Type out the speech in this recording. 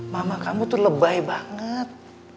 mama kamu tuh lebay banget